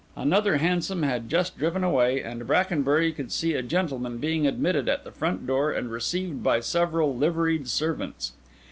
Another hansom had just driven away, and Brackenbury could see a gentleman being admitted at the front door and received by several liveried servants.